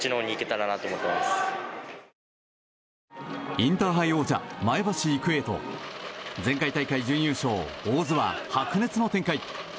インターハイ王者、前橋育英と前回大会準優勝、大津は白熱の展開。